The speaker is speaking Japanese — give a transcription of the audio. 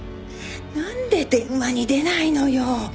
なんで電話に出ないのよ！